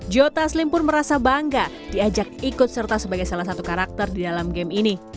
jo taslim pun merasa bangga diajak ikut serta sebagai salah satu karakter di dalam game ini